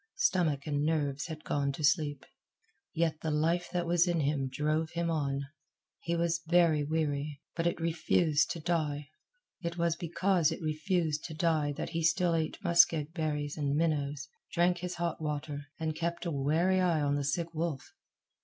Stomach and nerves had gone to sleep. Yet the life that was in him drove him on. He was very weary, but it refused to die. It was because it refused to die that he still ate muskeg berries and minnows, drank his hot water, and kept a wary eye on the sick wolf.